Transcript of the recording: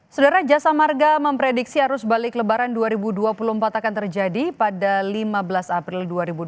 saudara jasa marga memprediksi arus balik lebaran dua ribu dua puluh empat akan terjadi pada lima belas april dua ribu dua puluh